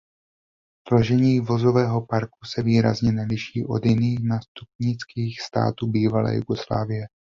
Složení vozového parku se výrazně neliší od jiných nástupnických států bývalé Jugoslávie.